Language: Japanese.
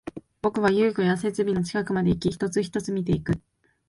僕は遊具や設備の近くまでいき、一つ、一つ見ていく